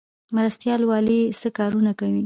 مرستیال والي څه کارونه کوي؟